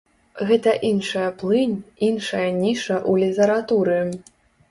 Гэта іншая плынь, іншая ніша ў літаратуры.